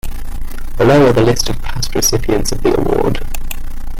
Below are the list of past recipients of the award.